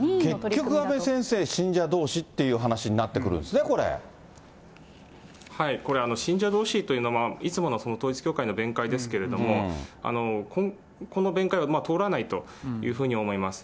結局阿部先生、信者どうしという話になってくるんですね、ここれ、信者どうしというのは、いつもの統一教会の弁解ですけれども、この弁解は通らないというふうに思います。